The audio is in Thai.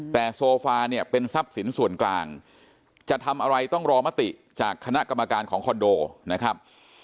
แต่โซฟาเนี่ยเป็นทรัพย์สินส่วนกลางจะทำอะไรต้องรอมติจากคณะกรรมการของคอนโดนะครับ